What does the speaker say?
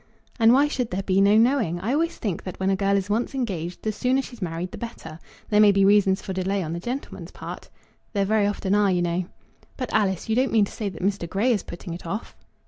"And why should there be no knowing? I always think that when a girl is once engaged the sooner she's married the better. There may be reasons for delay on the gentleman's part." "There very often are, you know," "But, Alice, you don't mean to say that Mr. Grey is putting it off?"